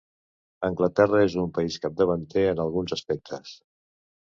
Anglaterra és un país capdavanter en alguns aspectes.